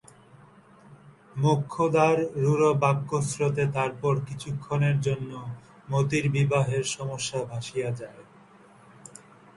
মোক্ষদার রূঢ় বাক্যস্রোতে তারপর কিছুক্ষণের জন্য মতির বিবাহের সমস্যা ভাসিয়া যায়।